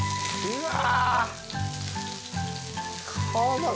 うわ！